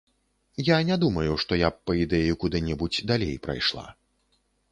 Я не думаю, што я б па ідэі куды-небудзь далей прайшла.